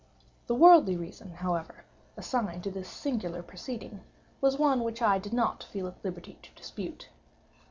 The worldly reason, however, assigned for this singular proceeding, was one which I did not feel at liberty to dispute.